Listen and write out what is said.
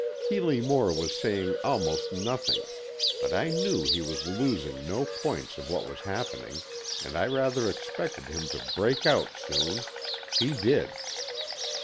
Keeley Moore was saying almost nothing. But I knew he was losing no points of what was happening, and I rather expected him to break out soon. He did.